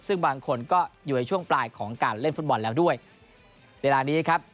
ซึ่งบางคนก็อยู่ในช่วงปลายของการเล่นฟุตบอลแล้วด้วยเวลานี้ครับ